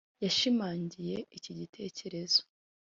yashimangiye iki gitekerezo.